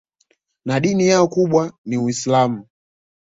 Na dini yao kubwa ni Uislamu